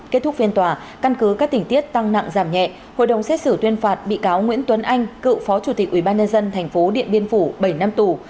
kết thúc phiên tòa căn cứ các tỉnh tiết tăng nặng giảm nhẹ hội đồng xét xử tuyên phạt bị cáo nguyễn tuấn anh cựu phó chủ tịch ubnd tp điện biên phủ bảy năm tù